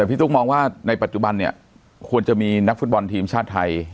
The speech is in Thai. พี่ตุ๊กมองว่าในปัจจุบันเนี่ยควรจะมีนักฟุตบอลทีมชาติไทย